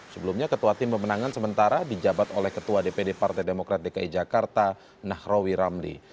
sebelumnya ketua tim pemenangan sementara dijabat oleh ketua dpd partai demokrat dki jakarta nahrawi ramli